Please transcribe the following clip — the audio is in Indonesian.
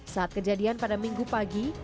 saat kejadian pada minggu pagi